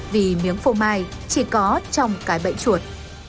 vì miếng phô mai chỉ có trong cái bẫy chuột